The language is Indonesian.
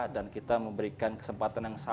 dan kita memberikan kesempatan yang benar benar terbaik